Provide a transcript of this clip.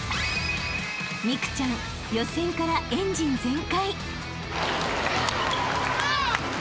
［美空ちゃん予選からエンジン全開］